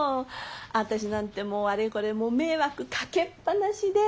私なんてもうあれこれ迷惑かけっぱなしで。